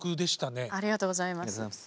ありがとうございます。